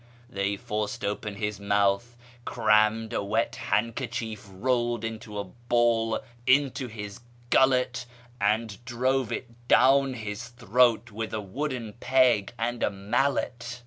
They forced open his mouth, crammed a wet handkerchief rolled into a ball into his gullet, and drove it down his throat with a wooden peg and a mallet.